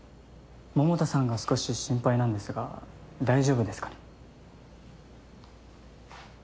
桃田さんが少し心配なんですが大丈夫ですかね？